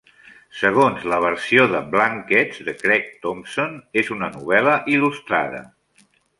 Segons la versió de "Blankets" de Craig Thompson, és "una novel·la il·lustrada".